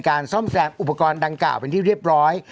ซ่อมแซมอุปกรณ์ดังกล่าวเป็นที่เรียบร้อย